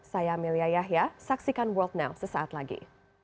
saya amelia yahya saksikan world now sesaat lagi